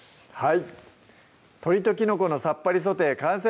はい